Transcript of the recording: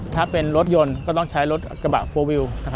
ถ้าเป็นรถยนต์ก็ต้องใช้รถกระบะโฟลวิว